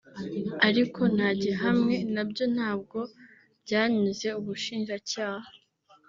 ariko ntagihamwe nabyo ntabwo byanyuze Ubushinjacyaha